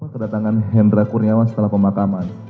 kedatangan hendra kurniawan setelah pemakaman